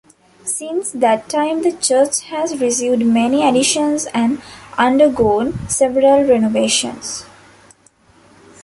Since that time the church has received many additions and undergone several renovations.